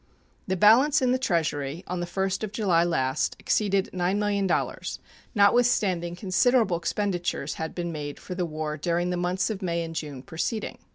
The balance in the Treasury on the 1st July last exceeded $9,000,000, notwithstanding considerable expenditures had been made for the war during the months of May and June preceding.